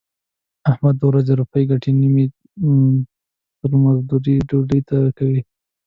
احمد د ورځې روپۍ ګټي نیمې ترې مزدور ډډې ته کوي.